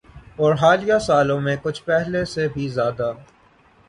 اورحالیہ سالوں میں کچھ پہلے سے بھی زیادہ۔